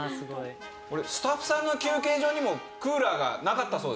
スタッフさんの休憩所にもクーラーがなかったそうですね。